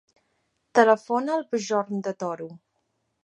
Telefona al Bjorn De Toro.